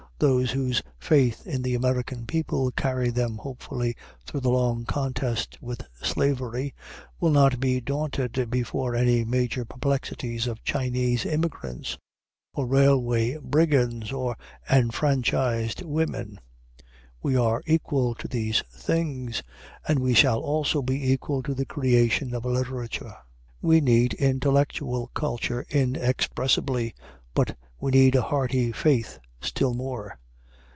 Those whose faith in the American people carried them hopefully through the long contest with slavery will not be daunted before any minor perplexities of Chinese immigrants or railway brigands or enfranchised women. We are equal to these things; and we shall also be equal to the creation of a literature. We need intellectual culture inexpressibly, but we need a hearty faith still more.